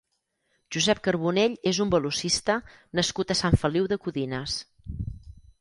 Josep Carbonell és un velocista nascut a Sant Feliu de Codines.